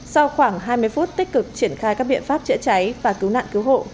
sau khoảng hai mươi phút tích cực triển khai các biện pháp chữa cháy và cứu nạn cứu hộ